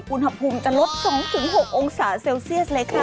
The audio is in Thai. อุณหภูมิจะลด๒๖องศาเซลเซียสเลยค่ะ